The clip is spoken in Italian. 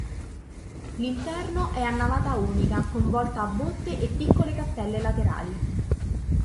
L'interno è a navata unica con volta a botte e piccole cappelle laterali.